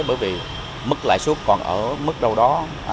bởi vì mức lãi suất còn ở mức đâu đó